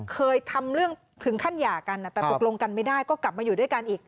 เคยทำเรื่องถึงขั้นหย่ากันแต่ตกลงกันไม่ได้ก็กลับมาอยู่ด้วยกันอีก